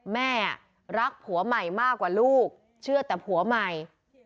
แม่รักผัวใหม่มากกว่าลูกเชื่อแต่ผัวใหม่